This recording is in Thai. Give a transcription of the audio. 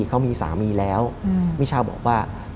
เขามีสามีแล้ว